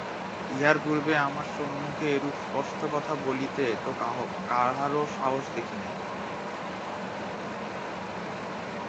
ইহার পূর্বে আমার সম্মুখে এরূপ স্পষ্ট কথা বলিতে তো কাহারও সাহস দেখি নাই।